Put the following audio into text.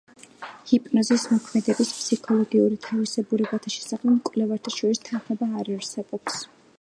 ჰიპნოზის მოქმედების ფსიქოლოგიურ თავისებურებათა შესახებ მკვლევართა შორის თანხმობა არ არსებობს.